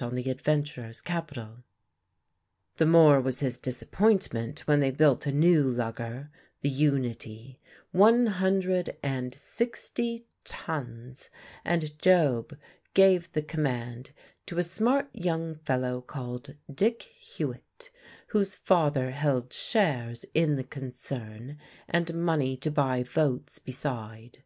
on the adventurers' capital. The more was his disappointment when they built a new lugger, the Unity, one hundred and sixty tons, and Job gave the command to a smart young fellow called Dick Hewitt, whose father held shares in the concern and money to buy votes beside.